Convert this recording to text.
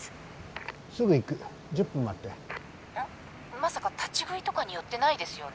まさか立ち食いとかに寄ってないですよね？」。